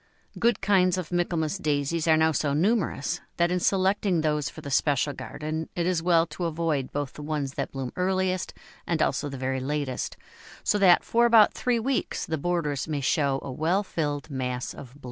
Good kinds of Michaelmas Daisies are now so numerous that in selecting those for the special garden it is well to avoid both the ones that bloom earliest and also the very latest, so that for about three weeks the borders may show a well filled mass of bloom.